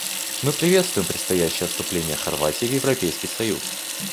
Мы приветствуем предстоящее вступление Хорватии в Европейский союз.